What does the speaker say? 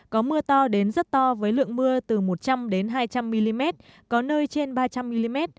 có mưa to đến rất to với lượng mưa từ một trăm linh hai trăm linh mm có nơi trên ba trăm linh mm